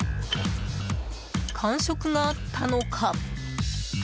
感触があったのか。